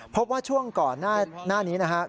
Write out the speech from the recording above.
พบว่าช่วงก่อนหน้านี้นะครับ